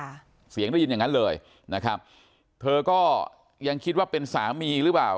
เสียงได้ยินอย่างนั้นเลยนะครับเธอก็ยังคิดว่าเป็นสามีหรือเปล่า